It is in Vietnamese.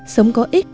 sống có ích